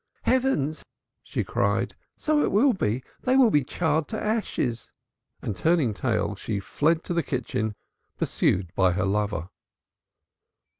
"Heavens!" she cried, "so it will be. They will be charred to ashes." And turning tail, she fled to the kitchen, pursued by her lover.